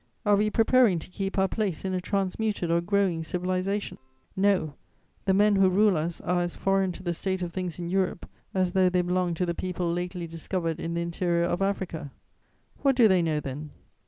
Are we preparing to keep our place in a transmuted or growing civilization? No: the men who rule us are as foreign to the state of things in Europe as though they belonged to the people lately discovered in the interior of Africa. What do they know then?